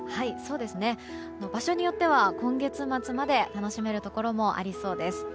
場所によっては今月末まで楽しめるところもありそうです。